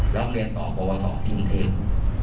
แล้วเรียนต่อปวสอบที่มีเทค